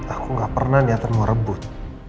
aku nggak pernah diantar mau rebut